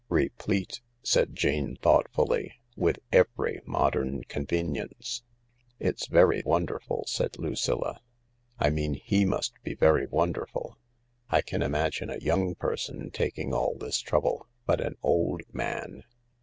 "Replete," said Jane thoughtfully, "with every modern convenience." " It's very wonderful," said Lucilla. " I mean he must be very wonderful. I can imagine a young person taking all this trouble — but an old, man